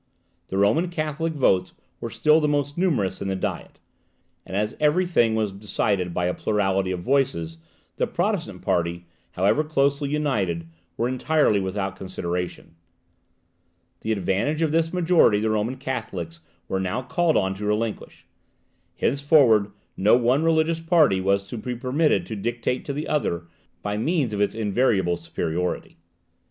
The Roman Catholic votes were still the most numerous in the Diet; and as every thing was decided by a plurality of voices, the Protestant party, however closely united, were entirely without consideration. The advantage of this majority the Roman Catholics were now called on to relinquish; henceforward no one religious party was to be permitted to dictate to the other by means of its invariable superiority.